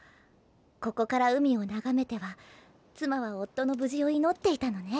ここから海を眺めては妻は夫の無事を祈っていたのね。